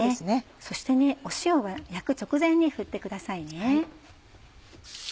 そして塩は焼く直前に振ってくださいね。